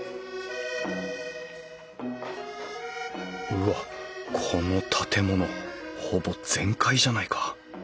うわっこの建物ほぼ全壊じゃないか。